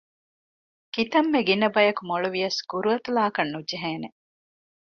ކިތަންމެ ގިނަ ބަޔަކު މޮޅުވިޔަސް ގުރުއަތުލާކަށް ނުޖެހޭނެ